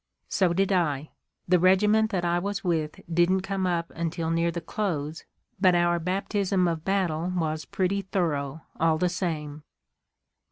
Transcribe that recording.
"So did I. The regiment that I was with didn't come up until near the close, but our baptism of battle was pretty thorough, all the same.